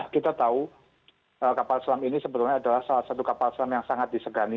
kita tahu kapal selam ini sebenarnya adalah salah satu kapal selam yang sangat disegani